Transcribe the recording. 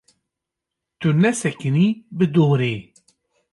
Tu nesekinî bi dorê.